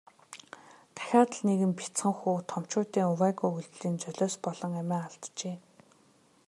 Дахиад л нэгэн бяцхан хүү томчуудын увайгүй үйлдлийн золиос болон амиа алджээ.